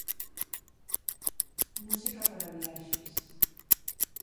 Música para viaxes.